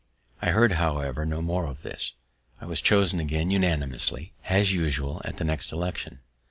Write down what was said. I heard, however, no more of this; I was chosen again unanimously as usual at the next election.